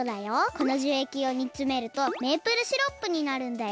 この樹液をにつめるとメープルシロップになるんだよ。